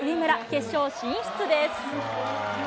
決勝進出です。